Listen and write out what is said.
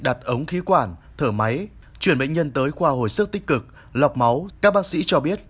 đặt ống khí quản thở máy chuyển bệnh nhân tới khoa hồi sức tích cực lọc máu các bác sĩ cho biết